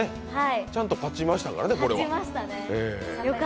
ちゃんと勝ちましたからね、これは。